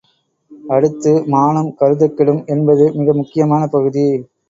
அடுத்து மானம் கருதக் கெடும் என்பது மிக முக்கியமான பகுதி.